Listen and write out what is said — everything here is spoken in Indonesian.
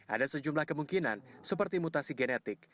ada sejumlah kemungkinan seperti mutasi genetik